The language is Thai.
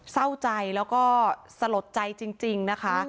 เศร้าใจแล้วก็สลดใจจริงนะคะ